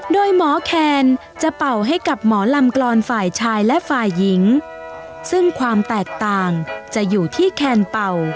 โดยหมอแคนจะเป่าให้กับหมอลำกรอนฝ่ายชายและฝ่ายหญิงซึ่งความแตกต่างจะอยู่ที่แคนเป่า